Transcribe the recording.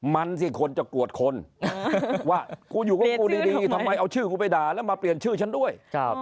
มันสิคนจะกรวดคนว่ากูอยู่กับกูดีทำไมเอาชื่อกูไปด่าแล้วมาเปลี่ยนชื่อฉันด้วย